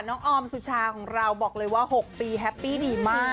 ออมสุชาของเราบอกเลยว่า๖ปีแฮปปี้ดีมาก